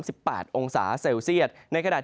ในภาคฝั่งอันดามันนะครับ